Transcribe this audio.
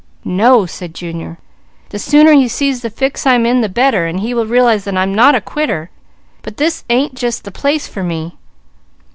"No," said Junior. "The sooner he sees the fix I'm in the better he will realize that I'm not a quitter; but that this ain't just the place for me.